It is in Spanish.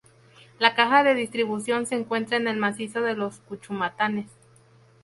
La caja de distribución se encuentra en el macizo de Los Cuchumatanes.